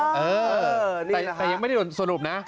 แต่ยังไม่ได้ลงสรุปนะ